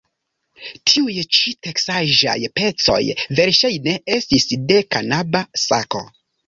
Tiuj ĉi teksaĵaj pecoj verŝajne estis de kanaba sako.